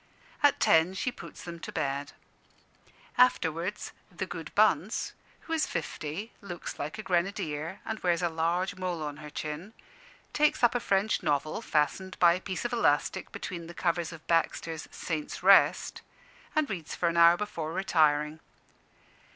At ten she puts them to bed. Afterwards, "the good Bunce " who is fifty, looks like a grenadier, and wears a large mole on her chin takes up a French novel, fastened by a piece of elastic between the covers of Baxter's "Saint's Rest," and reads for an hour before retiring.